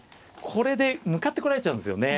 これで向かってこられちゃうんですよね。